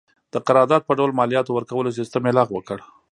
د قرارداد په ډول مالیاتو ورکولو سیستم یې لغوه کړ.